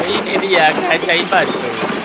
ini dia kaca ibadu